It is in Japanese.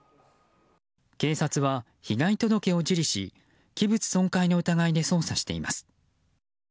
警察は被害届を受理し器物損壊の疑いで捜査しています。